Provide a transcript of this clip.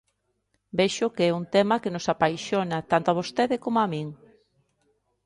Vexo que é un tema que nos apaixona tanto a vostede coma a min.